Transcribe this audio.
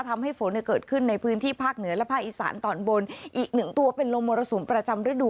ทำให้ฝนเกิดขึ้นในพื้นที่ภาคเหนือและภาคอีสานตอนบนอีกหนึ่งตัวเป็นลมมรสุมประจำฤดู